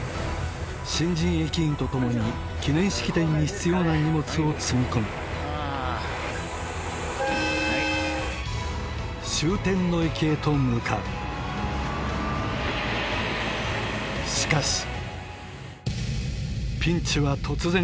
新人駅員と共に記念式典に必要な荷物を積み込み終点の駅へと向かうしかしよし！